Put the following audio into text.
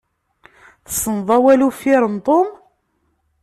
Tessneḍ awal uffir n Tom?